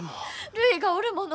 るいがおるもの。